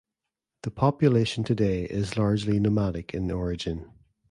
The population today is largely nomadic in origin.